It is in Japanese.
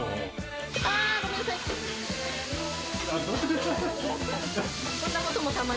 あー、ごめんなさい。